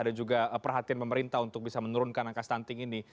dan juga perhatian pemerintah untuk bisa menurunkan angka stunting ini